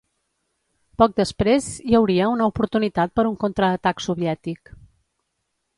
Poc després hi hauria una oportunitat per un contraatac soviètic.